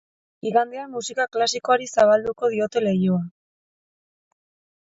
Igandean musika klasikoari zabalduko diote leihoa.